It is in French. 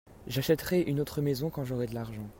J'achèterai une autre maison quand j'aurai de l'argent.